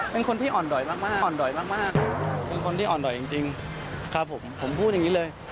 เป็นคนที่อ่อนดอยมากอ่อนดอยมากเป็นคนที่อ่อนดอยจริงครับผมผมพูดอย่างนี้เลย